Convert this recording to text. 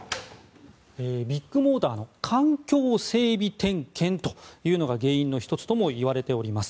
ビッグモーターの環境整備点検というのが原因の１つともいわれております。